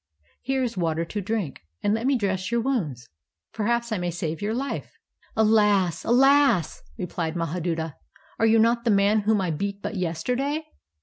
Here is water to drink, and let me dress your wounds; perhaps I may save your life." "Alas ! alas I " replied IMahaduta, " are you not the man whom I beat but yesterday?